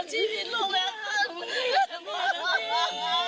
แม็กกี้อยากบอกอะไรกับครอบครัวภรรยาไหมเป็นครั้งสุดท้าย